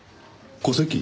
戸籍？